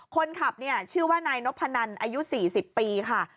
คนขับเนี่ยชื่อว่านายนพนันอายุ๔๐ปีค่ะ